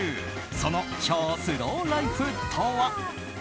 その超スローライフとは？